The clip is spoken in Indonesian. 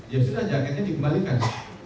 ya sudah jaketnya dikembalikan